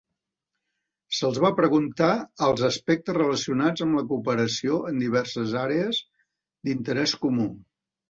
Se'ls va preguntar als aspectes relacionats amb la cooperació en diverses àrees d'interès comú.